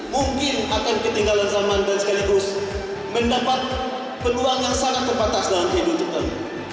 mungkin akan ketinggalan zaman dan sekaligus mendapat peluang yang sangat terbatas dalam kehidupan